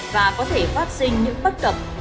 và có thể phát sinh những bất cập